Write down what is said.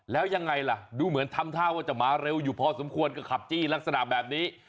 แล้วยังไงล่ะดูเหมือนทำท่าว่าจะมาเร็วอยู่พอสมควรก็ขับจี้ลักษณะแบบนี้